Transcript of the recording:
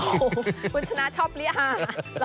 โอเคคุณชนะชอบหีอะฮา